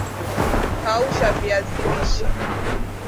kausha viazi lishe